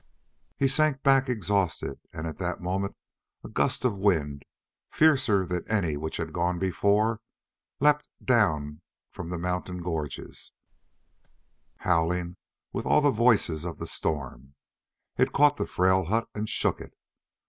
He sank back exhausted, and at that moment a gust of wind, fiercer than any which had gone before, leapt down the mountain gorges, howling with all the voices of the storm. It caught the frail hut and shook it.